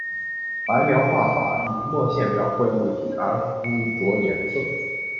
白描画法以墨线描绘物体而不着颜色。